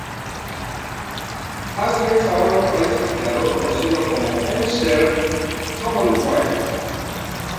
Asia es ahora un país emperador conocido como Eastern Commonwealth.